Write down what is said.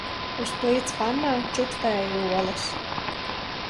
Uz plīts pannā čukstēja olas.